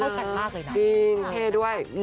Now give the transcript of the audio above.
เข้ากันมากเลยนะครับจริงเคด้วย